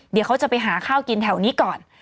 เดี๋ยวเขาจะไปหาข้าวกินแถวนี้ก่อน